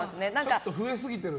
ちょっと増えすぎてる？